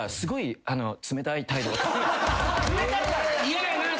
嫌やなぁ！